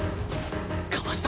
かわした！